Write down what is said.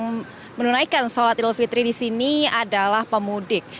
yang menunaikan sholat idul fitri di sini adalah pemudik